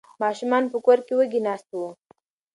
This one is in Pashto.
ماشومان په کور کې وږي ناست وو.